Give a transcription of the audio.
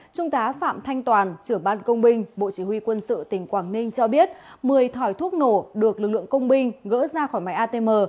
trung tá phạm thanh toàn trưởng ban công binh bộ chỉ huy quân sự tỉnh quảng ninh cho biết một mươi thỏi thuốc nổ được lực lượng công binh gỡ ra khỏi máy atm